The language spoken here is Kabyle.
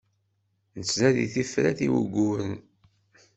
Nettnadi tifrat i wuguren.